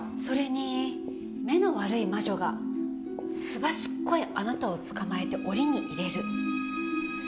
それに目の悪い魔女がすばしっこいあなたを捕まえて檻に入れる。